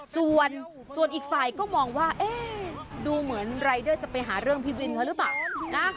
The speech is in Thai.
ส่วนอีกฝ่ายก็มองว่าเอ๊ะดูเหมือนรายเดอร์จะไปหาเรื่องพี่วินเขาหรือเปล่านะ